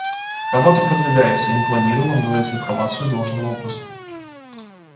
Работа продвигается, и мы планируем обновлять информацию должным образом.